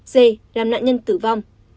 d làm nạn nhân tử vong